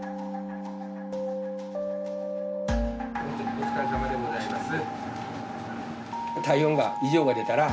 お疲れさまでございます。